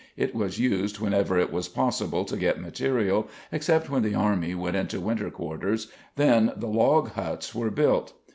It was used whenever it was possible to get material except when the army went into winter quarters then the log huts were built.